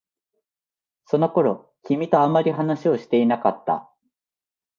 その頃、君とあまり話をしていなかった。